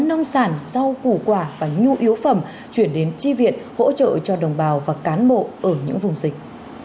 nông sản rau củ quả và nhu yếu phẩm chuyển đến tri viện hỗ trợ cho đồng bào và cán bộ ở những vùng dịch